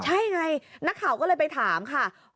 ใช่ไงนักข่าวก็เลยไปถามค่ะ